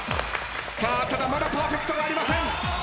ただまだパーフェクトがありません。